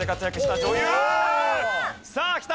さあきた！